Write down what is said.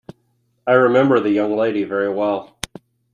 I remember the young lady very well.